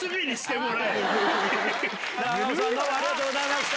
永尾さんどうもありがとうございました。